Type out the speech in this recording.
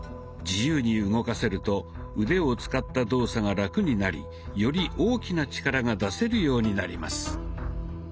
自由に動かせると腕を使った動作がラクになりより大きな力が出せるようになります。